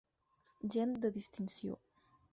Gent de distinció.